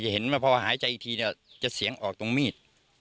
เห็นว่าพอหายใจอีกทีเนี่ยจะเสียงออกตรงมีด